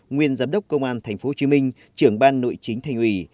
nguyên giám đốc công an tp hcm trưởng ban nội chính thành ủy